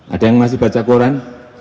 ada yang masih baca koran